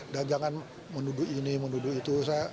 dan jangan menuduh ini menuduh itu